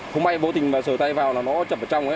không may bố tình mà sờ tay vào là nó chập ở trong